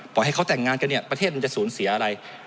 ให้เขาแต่งงานกันเนี่ยประเทศมันจะสูญเสียอะไร